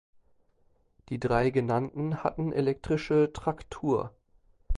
Die drei genannten hatten elektrische Traktur.